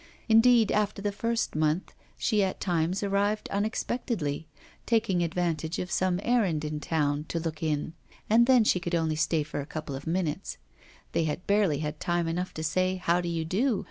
Indeed, after the first month, she at times arrived unexpectedly, taking advantage of some errand in town to look in, and then she could only stay for a couple of minutes; they had barely had time enough to say 'How do you do?